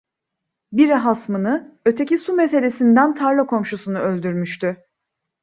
Biri hasmını, öteki su meselesinden tarla komşusunu öldürmüştü.